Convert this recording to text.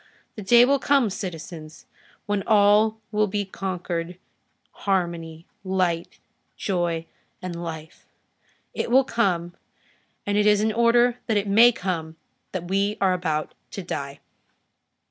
The day will come, citizens, when all will be concord, harmony, light, joy and life; it will come, and it is in order that it may come that we are about to die."